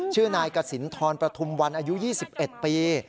ชื่อนายกสินทรประทุมวันอายุ๒๑ปี